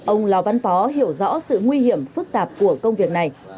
ông lò văn pó hiểu rõ sự nguy hiểm phức tạp của công việc này